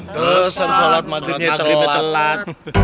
tentu saat makribnya telat